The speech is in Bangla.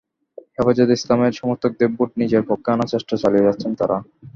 হেফাজতে ইসলামের সমর্থকদের ভোট নিজের পক্ষে আনার চেষ্টা চালিয়ে যাচ্ছেন তাঁরা।